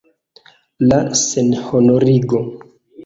La senhonorigo!